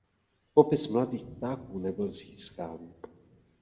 Popis mladých ptáků nebyl získán.